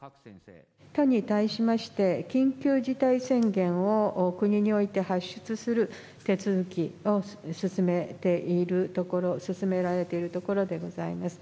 都に対しまして、緊急事態宣言を国において発出する手続きを進めているところ、進められているところでございます。